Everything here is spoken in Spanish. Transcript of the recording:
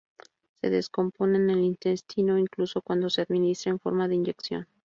Se descompone en el intestino, incluso cuando se administra en forma de inyección.